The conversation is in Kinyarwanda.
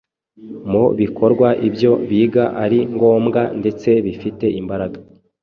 mu bikorwa ibyo biga ari ngombwa ndetse bifite imbaraga.